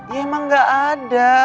ya emang gak ada